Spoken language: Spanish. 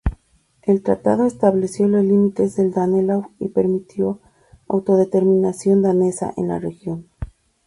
El tratado estableció los límites del Danelaw y permitió autodeterminación danesa en la región.